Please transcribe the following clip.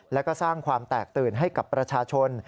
แล้วก็สร้างความแตกตื่นให้กับประชาชน